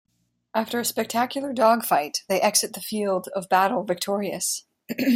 After a spectacular dogfight they exit the field of battle victorious.